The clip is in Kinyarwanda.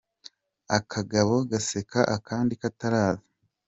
akagabo gaseka akandi kataraza